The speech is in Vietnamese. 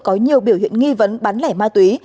có nhiều biểu hiện nghi vấn bán lẻ ma túy